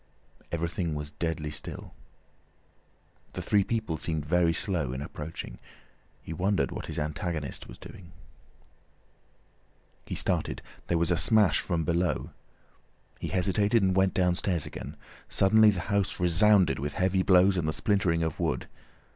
Everything was deadly still. The three people seemed very slow in approaching. He wondered what his antagonist was doing. He started. There was a smash from below. He hesitated and went downstairs again. Suddenly the house resounded with heavy blows and the splintering of wood.